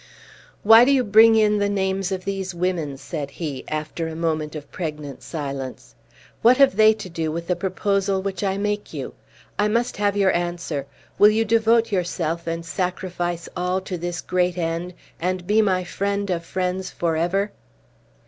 "Why do you bring in the names of these women?" said he, after a moment of pregnant silence. "What have they to do with the proposal which I make you? I must have your answer! Will you devote yourself, and sacrifice all to this great end, and be my friend of friends forever?"